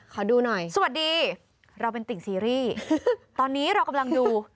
ขอดูหน่อยสวัสดีเราเป็นติ่งซีรีส์ตอนนี้เรากำลังดู